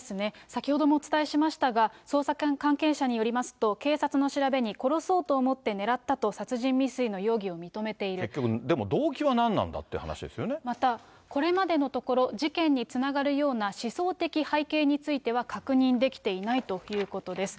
先ほどもお伝えしましたが、捜査関係者によりますと、警察の調べに、殺そうと思って狙ったと、殺結局、でも動機は何なんだっまた、これまでのところ、事件につながるような思想的背景については確認できていないということです。